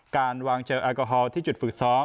การวางเจลแอลกอฮอลที่จุดฝึกซ้อม